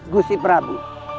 gua si prabu